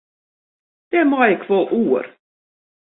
Dêr mei ik wol oer.